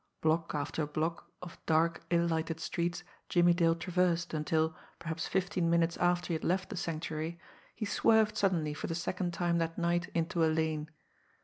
Block after block of dark, ill lighted streets Jimmie Dale traversed, until, perhaps fifteen minutes after he had left the Sanctuary, he swerved suddenly for the second time that night into a lane.